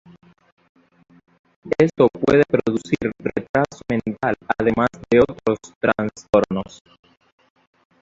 Esto puede producir retraso mental además de otros trastornos.